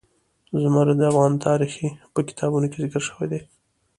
زمرد د افغان تاریخ په کتابونو کې ذکر شوی دي.